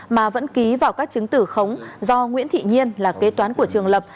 mà vẫn ký vào các chứng tử khống do nguyễn thị nhiên là kế toán của trường lập